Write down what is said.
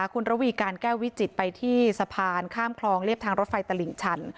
คุณระวีการแก้ววิจิตรไปที่สะพานข้ามคลองเรียบทางรถไฟตลิ่งชัน